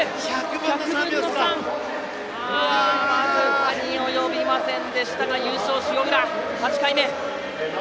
１００分の３僅かに及びませんでしたが優勝は塩浦、８回目！